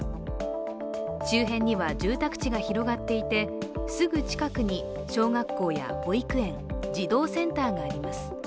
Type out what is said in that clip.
周辺には住宅地が広がっていてすぐ近くに小学校や保育園、児童センターがあります。